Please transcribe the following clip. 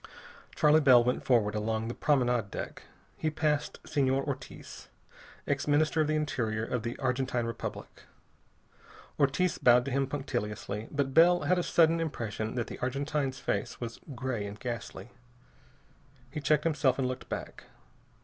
Charley Bell went forward along the promenade deck. He passed Senor Ortiz, ex Minister of the Interior of the Argentine Republic. Ortiz bowed to him punctiliously, but Bell had a sudden impression that the Argentine's face was gray and ghastly. He checked himself and looked back.